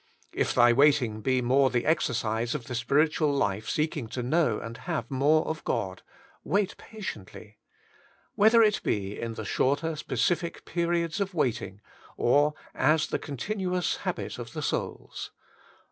If thy waiting be more the exercise of the spiritual life seeking to know and have more of God, wait patiently. Whether it be in the shorter specific periods of waiting, or as the continuous habit of the souls.